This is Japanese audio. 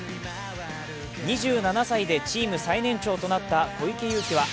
２７歳でチーム最年長となった小池祐貴は、